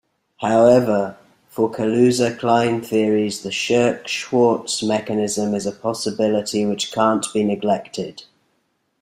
However, for Kaluza-Klein theories, the Scherk-Schwarz mechanism is a possibility which can't be neglected.